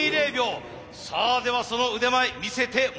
さあではその腕前見せてもらいましょう。